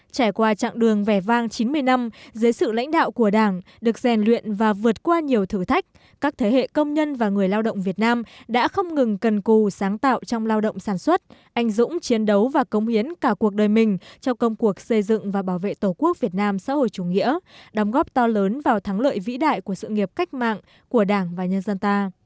trải qua chín mươi năm dưới sự lãnh đạo của đảng được rèn luyện và vượt qua nhiều thử thách các thế hệ công nhân và người lao động việt nam đã không ngừng cần cù sáng tạo trong lao động sản xuất anh dũng chiến đấu và cống hiến cả cuộc đời mình trong công cuộc xây dựng và bảo vệ tổ quốc việt nam xã hội chủ nghĩa đóng góp to lớn vào thắng lợi vĩ đại của sự nghiệp cách mạng của đảng và nhân dân ta